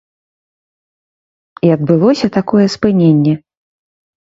І адбылося такое спыненне.